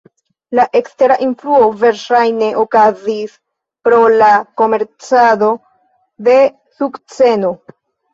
La ekstera influo verŝajne okazis pro la komercado de sukceno.